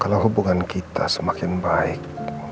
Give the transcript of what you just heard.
kalau hubungan kita semakin baik